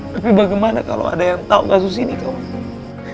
tapi bagaimana kalau ada yang tau kasus ini kawan